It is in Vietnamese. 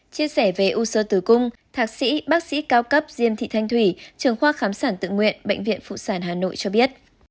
chia sẻ về u sơ tử cung thạc sĩ bác sĩ cao cấp diêm thị thanh thủy trường khoa khám sản tự nguyện bệnh viện phụ sản hà nội cho biết